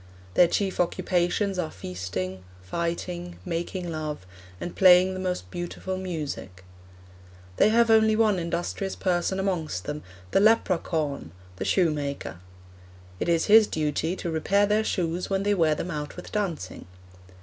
Their chief occupations are feasting, fighting, making love, and playing the most beautiful music. 'They have only one industrious person amongst them, the lepra caun the shoemaker.' It is his duty to repair their shoes when they wear them out with dancing.